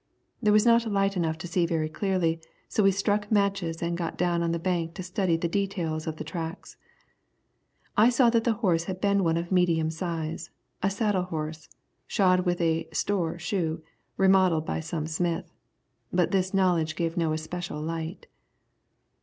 There was not light enough to see very clearly, so we struck matches and got down on the bank to study the details of the tracks. I saw that the horse had been one of medium size, a saddle horse, shod with a "store" shoe, remodelled by some smith. But this knowledge gave no especial light.